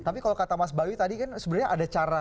tapi kalau kata mas bawi tadi kan sebenarnya ada cara